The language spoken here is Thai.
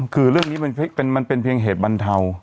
คือเรื่องนี้มันเป็นเพียงเหตุบรรเทา